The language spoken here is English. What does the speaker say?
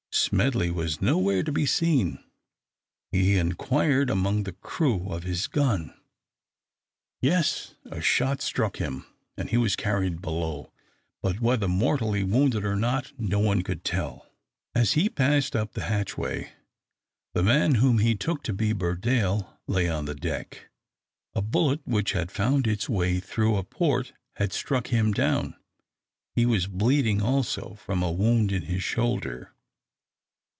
Smedley was nowhere to be seen. He inquired among the crew of his gun. "Yes; a shot struck him and he was carried below, but whether mortally wounded or not, no one could tell." As he passed up the hatchway, the man whom he took to be Burdale lay on the deck. A bullet which had found its way through a port had struck him down. He was bleeding also from a wound in his shoulder.